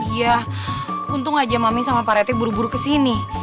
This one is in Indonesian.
ya untung aja mami sama pak reti buru buru kesini